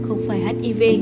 không phải hiv